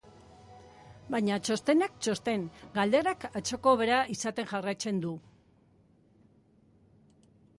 Baina, txostenak txosten, galderak atzoko bera izaten jarraitzen du.